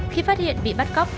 khi phát hiện bị bắt cóc